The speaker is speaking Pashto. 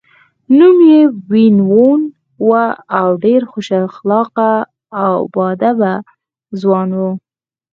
نوم یې وین وون و، ډېر خوش اخلاقه او با ادبه ځوان و.